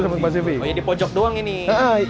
oh ya di pojok doang ini